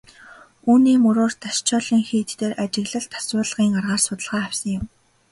Үүний мөрөөр Дашчойлин хийд дээр ажиглалт асуулгын аргаар судалгаа авсан юм.